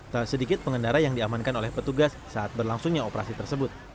tak sedikit pengendara yang diamankan oleh petugas saat berlangsungnya operasi tersebut